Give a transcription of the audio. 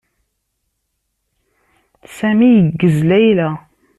Sami yeggez Layla.